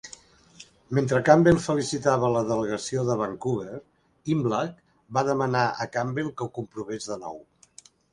Mentre Campbell felicitava la delegació de Vancouver, Imlach va demanar a Campbell que ho comprovés de nou.